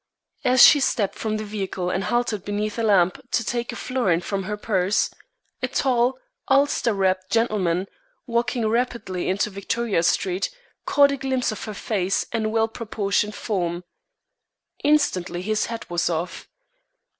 As she stepped from the vehicle and halted beneath a lamp to take a florin from her purse, a tall, ulster wrapped gentleman, walking rapidly into Victoria Street, caught a glimpse of her face and well proportioned form. Instantly his hat was off.